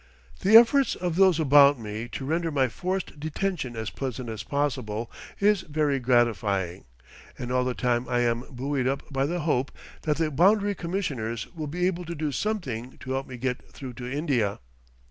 The efforts of those about me to render my forced detention as pleasant as possible is very gratifying, and all the time I am buoyed up by the hope that the Boundary Commissioners will be able to do something to help me get through to India.